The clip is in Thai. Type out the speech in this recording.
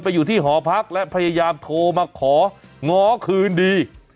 อยู่ที่หอพักและพยายามโทรมาของ้อคืนดี